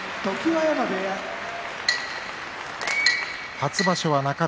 初場所は中日